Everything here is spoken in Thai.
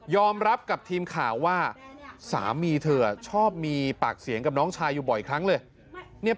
รับกับทีมข่าวว่าสามีเธอชอบมีปากเสียงกับน้องชายอยู่บ่อยครั้งเลย